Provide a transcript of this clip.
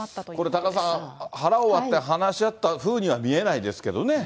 これ、多賀さん、腹を割って話し合った風には見えないですけどね。